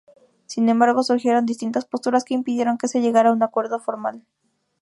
Sin embargo, surgieron distintas posturas que impidieron que se llegara un acuerdo formal.